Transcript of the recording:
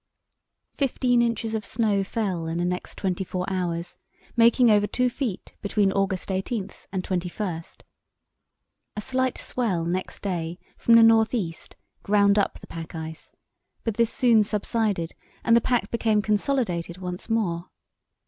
Fifteen inches of snow fell in the next twenty four hours, making over two feet between August 18 and 21. A slight swell next day from the north east ground up the pack ice, but this soon subsided, and the pack became consolidated once more.